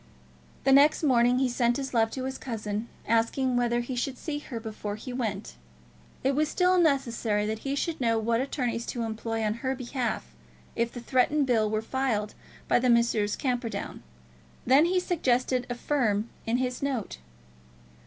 The next morning he sent his love to his cousin, asking whether he should see her before he went. It was still necessary that he should know what attorneys to employ on her behalf if the threatened bill were filed by Messrs. Camperdown. Then he suggested a firm in his note.